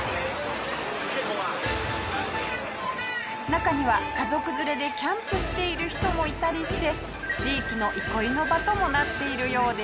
中には家族連れでキャンプしている人もいたりして地域の憩いの場ともなっているようです。